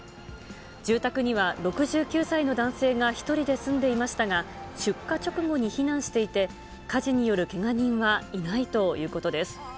住宅には６９歳の男性が１人で住んでいましたが、出火直後に避難していて、火事によるけが人はいないということです。